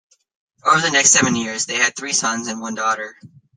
Over the next seven years they had three sons and one daughter.